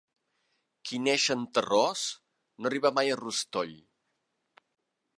Qui neix en terròs no arriba mai a rostoll.